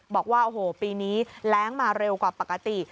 บอกว่าโอ้โหปีนี้แรงมาเร็วกว่าปกติ